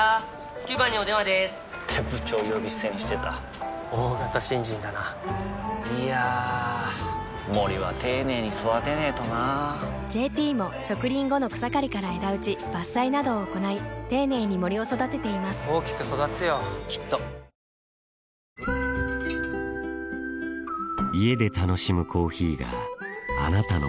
９番にお電話でーす！って部長呼び捨てにしてた大型新人だないやー森は丁寧に育てないとな「ＪＴ」も植林後の草刈りから枝打ち伐採などを行い丁寧に森を育てています大きく育つよきっとトヨタイムズの富川悠太です